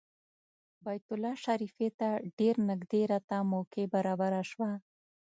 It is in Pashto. بیت الله شریفې ته ډېر نږدې راته موقع برابره شوه.